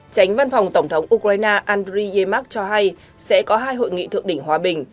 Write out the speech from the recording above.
chánh văn phòng tổng thống ukraine andriy yemak cho hay sẽ có hai hội nghị thượng đỉnh hòa bình